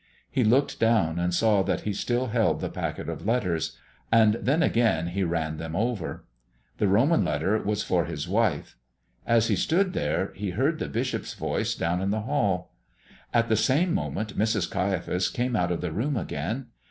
He looked down and saw that he still held the packet of letters, and then again he ran them over. The Roman letter was for his wife. As he stood there he heard the bishop's voice down in the hall. At the same moment Mrs. Caiaphas came out of the room again.